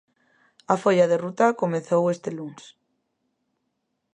A folla de ruta comezou este luns.